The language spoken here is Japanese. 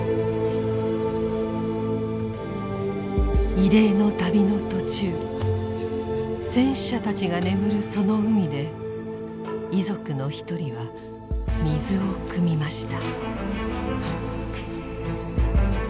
慰霊の旅の途中戦死者たちが眠るその海で遺族の一人は水をくみました。